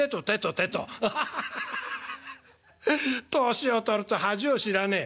年を取ると恥を知らねえ」。